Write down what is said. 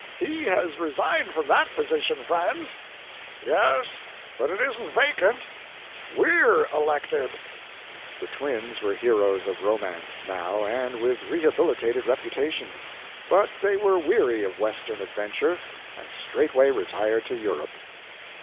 He has resigned from that position, friends." "Yes, but it isn't vacant we're elected." The twins were heroes of romance, now, and with rehabilitated reputations. But they were weary of Western adventure, and straightway retired to Europe.